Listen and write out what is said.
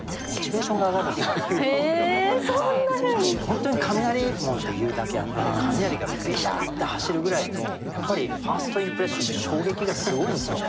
本当に雷門っていうだけあって雷がビシャッて走るぐらいのやっぱりファーストインプレッションの衝撃がすごいんですよ。